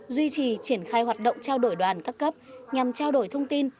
duy trì triển khai hoạt động trao đổi đoàn các cấp nhằm trao đổi thông tin